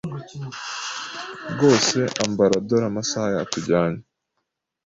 Rwose ambara dore amasaha yatujyanye